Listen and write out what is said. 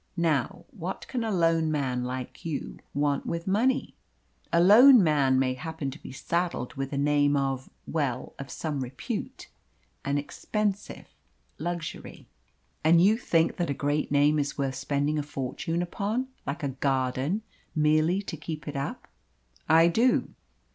Now, what can a lone man like you want with money?" "A lone man may happen to be saddled with a name of well, of some repute an expensive luxury." "And you think that a great name is worth spending a fortune upon, like a garden, merely to keep it up?" "I do."